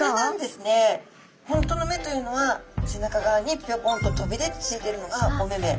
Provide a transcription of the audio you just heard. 本当の目というのは背中側にぴょこんと飛び出てついてるのがお目々。